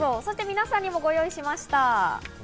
皆さんにもご用意しました。